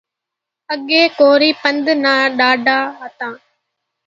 اڳيَ نا ڪورِي پنڌ نا ڏاڍا هتا۔